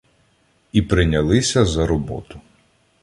І принялися за роботу: